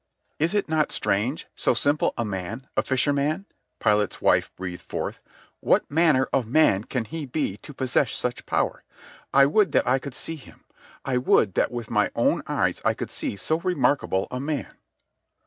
"Is it not strange, so simple a man, a fisherman?" Pilate's wife breathed forth. "What manner of man can he be to possess such power? I would that I could see him. I would that with my own eyes I could see so remarkable a man."